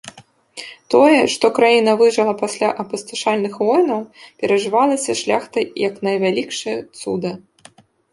Тое, што краіна выжыла пасля апусташальных войнаў перажывалася шляхтай як найвялікшае цуда.